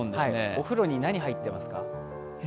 お風呂に何入ってますか？